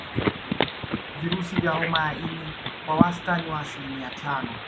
Virusi vya homa ya ini kwa wastani wa asilimia tano